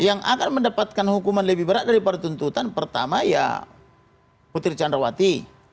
yang akan mendapatkan hukuman lebih berat daripada tuntutan pertama ya putri candrawati